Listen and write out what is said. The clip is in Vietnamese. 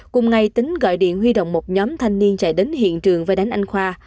cùng ngày tính gọi điện huy động một nhóm thanh niên chạy đến hiện trường và đánh anh khoa